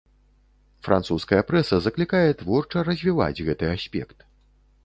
Французская прэса заклікае творча развіваць гэты аспект.